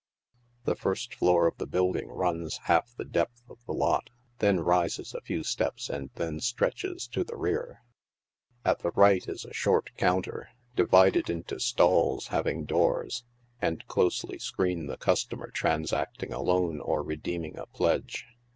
The first floor of the building runs half the depth of the lot, then rises a few steps and then stretches to the rear. At the right is a short counter, divided into stalls having doors, and closely screen the customer transacting a loan or redeeming a pledge.